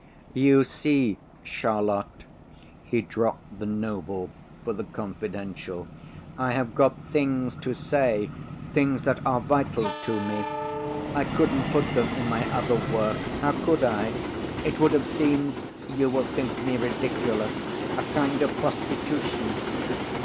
"You see, Charlotte," he dropped the noble for the confidential, "I have got things to say, things that are vital to me. I couldn't put them in my other work. How could I? It would have seemed you will think me ridiculous a kind of prostitution."